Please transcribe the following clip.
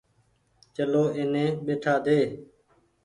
چلو ايني ٻيٺآ ۮي۔